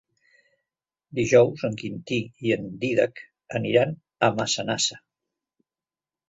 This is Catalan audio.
Dijous en Quintí i en Dídac aniran a Massanassa.